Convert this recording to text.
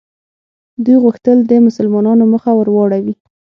دوی غوښتل د مسلمانانو مخه ور واړوي.